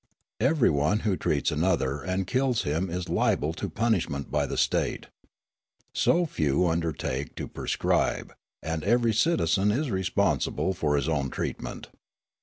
Everyone who treats another and kills him is liable to punishment by the state. So, few undertake to pre scribe, and every citizen is responsible for hi s own treatment.